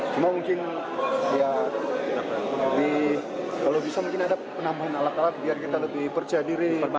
cuma mungkin ya kalau bisa mungkin ada penambahan alat alat biar kita lebih percaya diri